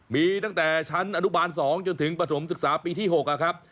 มีตั้งแต่ชั้นอนุบาล๒จนถึงปฐมศึกษาปีที่๖ครับ